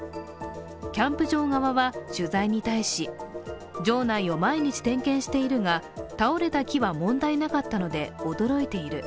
キャンプ場側は取材に対し場内を毎日点検しているが、倒れた木は問題なかったので驚いている。